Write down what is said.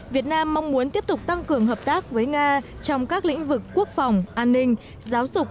việt nam mong muốn tiếp tục tăng cường hợp tác với nga trong các lĩnh vực quốc phòng an ninh giáo dục